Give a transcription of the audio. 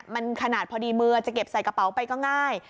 มันขนาดพอดีมือจะเก็บใส่กระเป๋าไปก็ง่าย